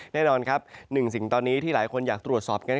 แน่นอนครับหนึ่งสิ่งตอนนี้ที่หลายคนอยากตรวจสอบกัน